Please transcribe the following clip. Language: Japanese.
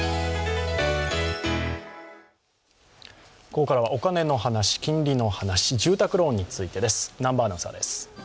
ここからはお金の話、金利の話、住宅ローンについてです、南波アナウンサーです。